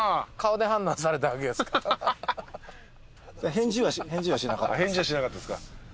返事はしなかったですか。